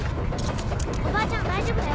おばあちゃん大丈夫だよ